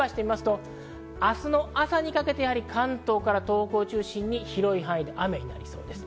明日の朝にかけて、関東から東北を中心に広い範囲で雨になりそうです。